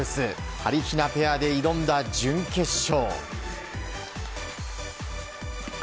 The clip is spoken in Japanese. はりひなペアで挑んだ準決勝。